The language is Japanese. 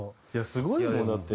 スゴいもんだって。